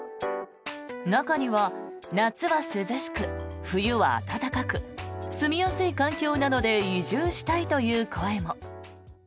中には夏は涼しく冬は暖かく住みやすい環境なので移住したいという声も。